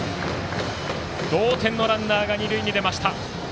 同点のランナーが二塁に出ました。